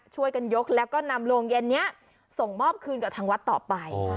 ช่วยกันยกแล้วก็นำโรงเย็นนี้ส่งมอบคืนกับทางวัดต่อไป